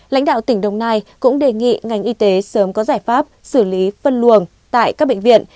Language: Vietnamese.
lãnh đạo tỉnh đồng nai cũng đề nghị ngành y tế sớm có giải pháp xử lý phân luồng tại các bệnh viện